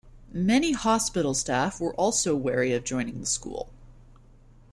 Many hospital staff were also wary of joining the school.